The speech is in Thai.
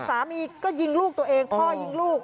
สามีก็ยิงลูกตัวเองพ่อยิงลูก